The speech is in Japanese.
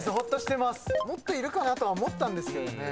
もっといるかなとは思ったんですけどね。